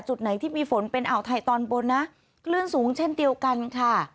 จุดไหนที่มีฝนเป็นอ่าวไทยตอนบนนะคลื่นสูงเช่นเดียวกันค่ะ